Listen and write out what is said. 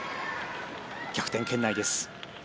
逆転圏内です。